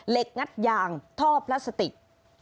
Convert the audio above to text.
เหล็กงัดยางท่อพลาสติก